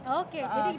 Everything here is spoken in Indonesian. oke jadi gimana tuh